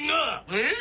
えっ⁉